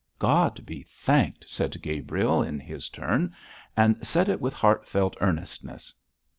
'God be thanked!' said Gabriel, in his turn, and said it with heartfelt earnestness.